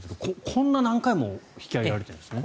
こんなに何回も引き上げられてるんですね。